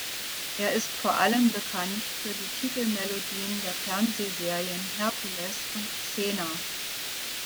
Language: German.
Er ist vor allem bekannt für die Titelmelodien der Fernsehserien "Hercules" und "Xena".